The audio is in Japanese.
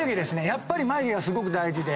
やっぱり眉毛がすごく大事で。